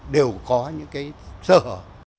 đều có những cái sơ hở